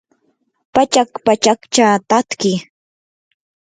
pachak pachakcha tatki